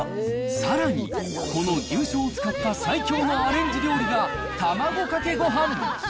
さらに、この牛醤を使った最強のアレンジ料理が卵かけごはん。